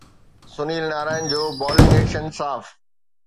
سنيل نارائن جو bowling action صاف